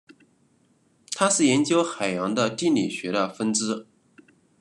它是研究海洋的地理学的分支。